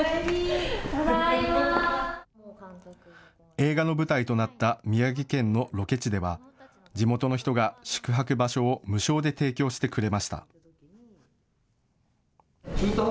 映画の舞台となった宮城県のロケ地では地元の人が宿泊場所を無償で提供してくれました。